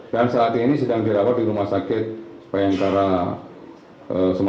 dan saat ini sedang dirawat di rumah sakit sepaian antara semata utara